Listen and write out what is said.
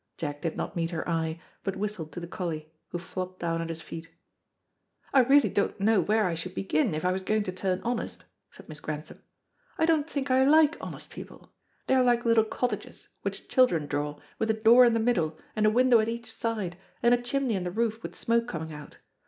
Jack did not meet her eye, but whistled to the collie, who flopped down at his feet. "I really don't know where I should begin if I was going to turn honest," said Miss Grantham. "I don't think I like honest people. They are like little cottages, which children draw, with a door in the middle, and a window at each side, and a chimney in the roof with smoke coming out.